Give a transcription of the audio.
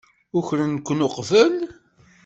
Ukren-ken uqbel?